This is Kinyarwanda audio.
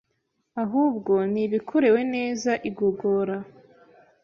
ahubwo ni ibikorewe neza igogora;